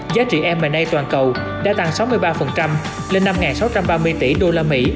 giá trị m a toàn cầu đã tăng sáu mươi ba lên năm sáu trăm ba mươi tỷ usd